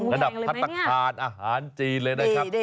ระดับพัฒนาคารอาหารจีนเลยนะครับ